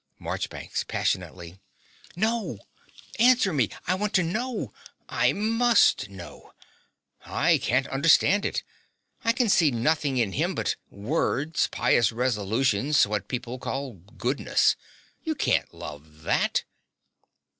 MARCHBANKS (passionately). No, answer me. I want to know: I MUST know. I can't understand it. I can see nothing in him but words, pious resolutions, what people call goodness. You can't love that.